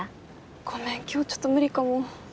ごめん今日ちょっと無理かも。